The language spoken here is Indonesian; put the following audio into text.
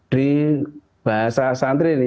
di bahasa santri ini